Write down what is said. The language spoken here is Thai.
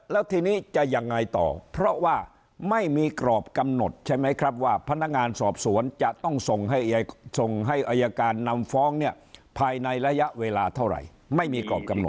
แล้วทีนี้จะยังไงต่อเพราะว่าไม่มีกรอบกำหนดใช่ไหมครับว่าพนักงานสอบสวนจะต้องส่งให้อายการนำฟ้องเนี่ยภายในระยะเวลาเท่าไหร่ไม่มีกรอบกำหนด